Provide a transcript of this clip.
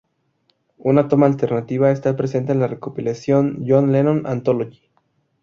Una toma alternativa esta presente en la recopilación John Lennon Anthology.